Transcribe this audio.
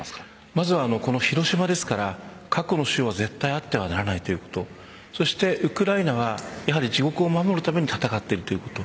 まずは広島ですから核の使用は絶対あってはならないということそしてウクライナは自国を守るために戦っているということ。